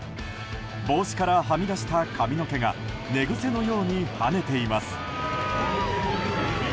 帽子からはみ出した髪の毛が寝ぐせのようにはねています。